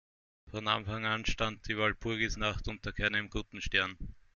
Von Anfang an stand die Walpurgisnacht unter keinem guten Stern.